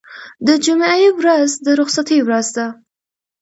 د جمعې ورځ د رخصتۍ ورځ ده.